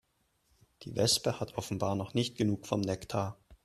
Die Wespe hat offenbar noch nicht genug vom Nektar.